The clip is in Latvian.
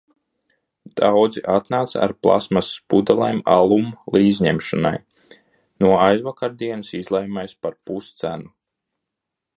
Daudzi atnāca ar plastmasas pudelēm alum līdzņemšanai. No aizvakardienas izlejamais par puscenu.